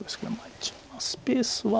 一応スペースは。